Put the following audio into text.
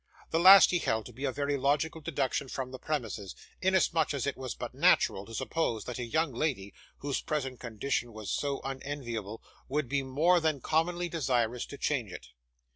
The last he held to be a very logical deduction from the premises, inasmuch as it was but natural to suppose that a young lady, whose present condition was so unenviable, would be more than commonly desirous to change it.